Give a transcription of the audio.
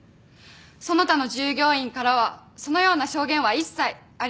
その他の従業員からはそのような証言は一切ありません。